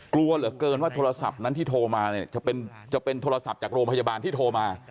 กลัวเหลือเกินว่าโทรศัพท์นั้นที่โทรมาเนี่ยจะเป็นโทรศัพท์จากโรงพยาบาลที่โทรมา